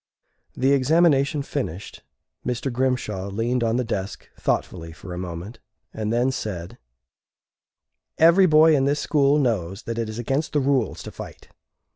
The examination finished, Mr. Grimshaw leaned on the desk thoughtfully for a moment and then said: "Every boy in this school knows that it is against the rules to fight.